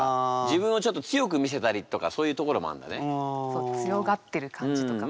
そう強がってる感じとかもある。